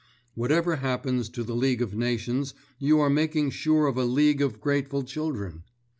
Whatever happens to the League of Nations you are making sure of a League of Grateful Children.